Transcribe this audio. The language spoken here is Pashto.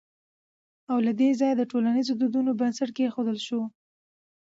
او له دې ځايه د ټولنيزو دودونو بنسټ کېښودل شو